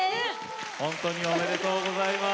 ほんとにおめでとうございます。